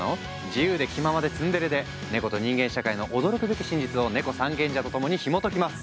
自由で気ままでツンデレで猫と人間社会の驚くべき真実をネコ三賢者とともにひもときます。